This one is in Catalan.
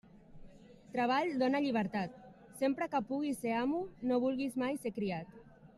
Treball dóna llibertat; sempre que puguis ser amo, no vulguis mai ser criat.